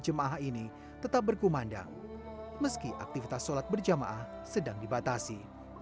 jemaah ini tetap berkumandang meski aktivitas sholat berjamaah sedang dibatasi